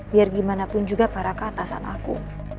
biar gimana pun juga para keatasan aku